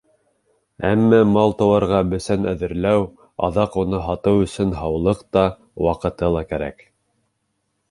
Әммә мал-тыуарға бесән әҙерләү, аҙаҡ уны һатыу өсөн һаулыҡ та, ваҡыты ла кәрәк.